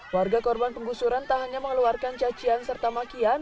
warga korban penggusuran tak hanya mengeluarkan cacian serta makian